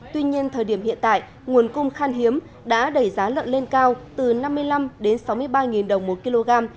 tuy nhiên thời điểm hiện tại nguồn cung khan hiếm đã đẩy giá lợn lên cao từ năm mươi năm đến sáu mươi ba đồng một kg